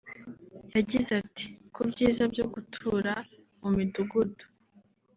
yagize ati “ku byiza byo gutura mu midugudu